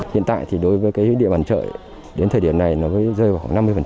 hiện tại thì đối với cái địa bàn chợ đến thời điểm này nó mới rơi vào khoảng năm mươi